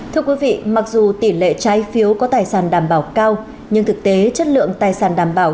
thưa quý vị mặc dù tỷ lệ trái phiếu có tài sản đảm bảo cao nhưng thực tế chất lượng tài sản đảm bảo